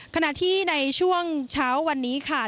ขณะที่ในช่วงเช้าวันนี้ค่ะ